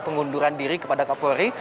pengunduran diri kepada kapolri